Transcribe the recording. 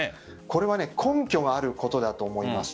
これは根拠があることだと思います。